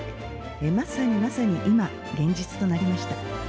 まさにまさに今、現実となりました。